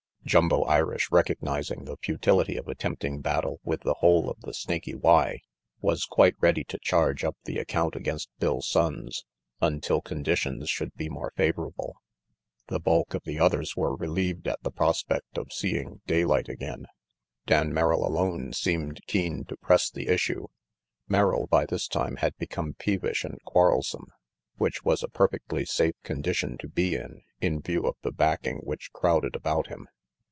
Jumbo Irish, recognizing the futility of attempting battle with the whole of the Snaky Y, was quite ready to charge up the account against Bill Sonnes until conditions should be more favorable. The bulk of the others were relieved at the prospect of seeing daylight again Dan Merrill alone seemed keen to press the issue. Merrill by this time had become peevish and quarrelsome, which was a perfectly safe condition to be in, in view of the backing which crowded about him.